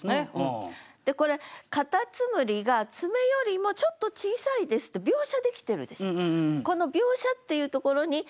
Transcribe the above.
でこれ蝸牛が「爪よりもちょっと小さいです」って描写できてるでしょ。